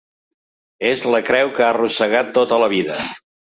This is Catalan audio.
És la creu que ha arrossegat tota la vida.